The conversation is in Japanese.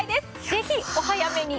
ぜひお早めに！